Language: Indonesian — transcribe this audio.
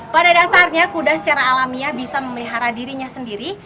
pada dasarnya kuda secara alamiah bisa memelihara dirinya sendiri